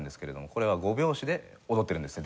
これは５拍子で踊ってるんですよ